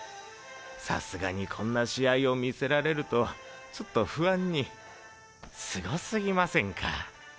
さすがにこんな試合を見せられるとちょっと不安に凄すぎませんか？